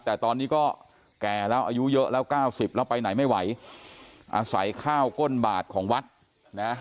แต่ตอนนี้ก็แก่แล้วอายุเยอะแล้วเก้าสิบแล้วไปไหนไม่ไหวอาศัยข้าวก้นบาทของวัดนะ